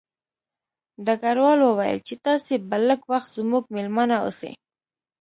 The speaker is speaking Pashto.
ډګروال وویل چې تاسې به لږ وخت زموږ مېلمانه اوسئ